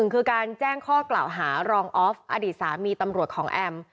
คือการแจ้งข้อกล่าวหารองออฟอดีตสามีตำรวจของแอม